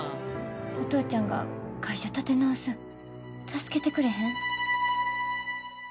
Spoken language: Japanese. お父ちゃんが会社立て直すん助けてくれへん？